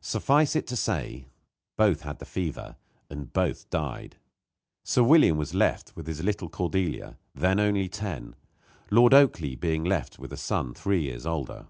Suffice it to say, both had the fever, and both died. Sir William was left with his little Cordelia, then only ten; Lord Oakleigh being left with a son three years older.